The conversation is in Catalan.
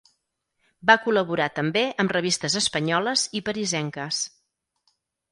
Va col·laborar també amb revistes espanyoles i parisenques.